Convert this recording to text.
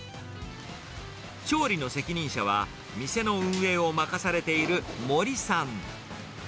調理の責任者は、店の運営を任されている森さん。